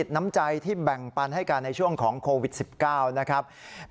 น้ำใจที่แบ่งปันให้กันในช่วงของโควิด๑๙นะครับ